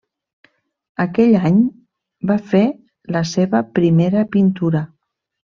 Aquell any va fer la seva primera pintura.